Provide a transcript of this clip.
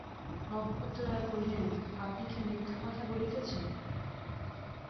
নক্ষত্ররায় কহিলেন, আপনি কি মিথ্যা কথা বলিতেছেন?